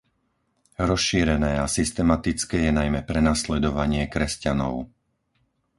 Rozšírené a systematické je najmä prenasledovanie kresťanov.